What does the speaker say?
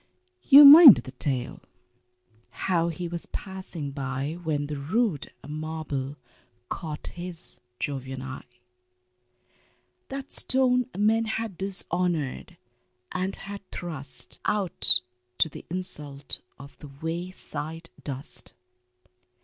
You mind the tale how he was passing by When the rude marble caught his Jovian eye, That stone men had dishonored and had thrust Out to the insult of the wayside dust.